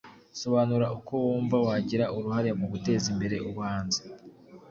Sobanura uko wumva wagira uruhare mu guteza imbere ubuhanzi